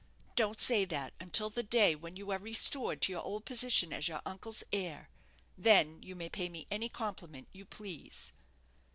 "Don't say that until the day when you are restored to your old position as your uncle's heir. Then you may pay me any compliment you please."